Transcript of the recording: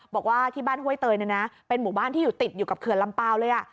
บอกว่าที่บ้านห้วยเตยเนี่ยนะเป็นหมู่บ้านที่อยู่ติดอยู่กับเขื่อนลำเปล่าเลย